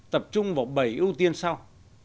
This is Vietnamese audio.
tập trung vào bảy ưu tiên sau